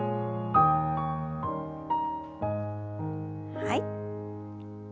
はい。